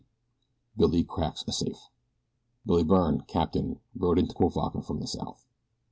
BILLY CRACKS A SAFE BILLY BYRNE, captain, rode into Cuivaca from the south.